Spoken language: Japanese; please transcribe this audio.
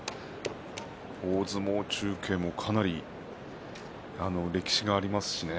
大相撲中継もかなり歴史がありますしね。